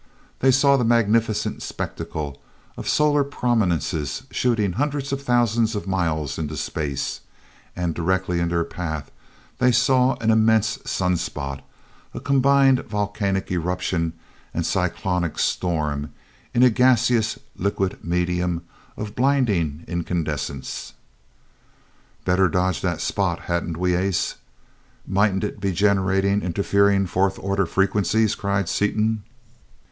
They saw the magnificent spectacle of solar prominences shooting hundreds of thousands of miles into space, and directly in their path they saw an immense sunspot, a combined volcanic eruption and cyclonic storm in a gaseous liquid medium of blinding incandescence. "Better dodge that spot, hadn't we, ace? Mightn't it be generating interfering fourth order frequencies?" cried Seaton.